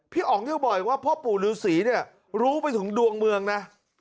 พี่อ๋องเรียกบ่อยว่าพ่อปู่ลื้อสีเนี่ยรู้ไปถึงดวงเมืองนะ